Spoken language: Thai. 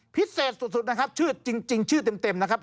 พิเศษสุดนะครับชื่อเต็มนะครับ